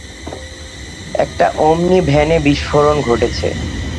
একটা ওমনি ভ্যানে বিস্ফোরণ ঘটেছে।